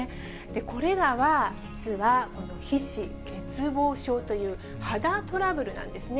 これらは実は、この皮脂欠乏症という、肌トラブルなんですね。